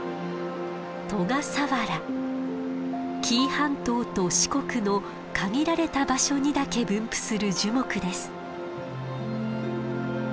紀伊半島と四国の限られた場所にだけ分布する樹木です。